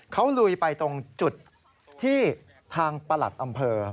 เขาลุยไปตรงจุดที่ทางประหลัดอำเภอ